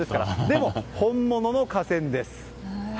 でも、本物の架線です。